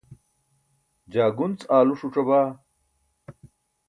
jaa gunc aalu ṣuc̣abaa